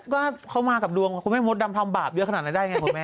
ก็เขามากับดวงคุณอาจกดหมดดำทองบาปเยอะขนาดนี้ได้อย่างไรครับ